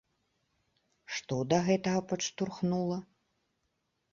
Што да гэтага падштурхнула?